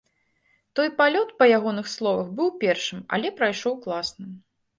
Той палёт, па ягоных словах, быў першым, але прайшоў класна.